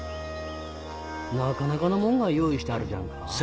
なかなかのもんが用意してあるじゃんか。